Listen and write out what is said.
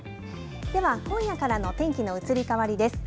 では、今夜からの天気の移り変わりです。